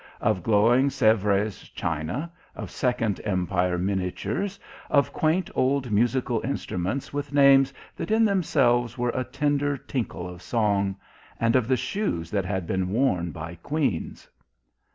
of glowing Sèvres china, of Second Empire miniatures, of quaint old musical instruments with names that in themselves were a tender tinkle of song, and of the shoes that had been worn by queens.